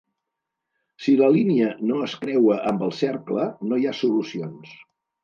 Si la línia no es creua amb el cercle, no hi ha solucions.